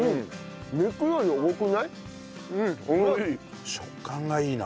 肉より多くない？多い。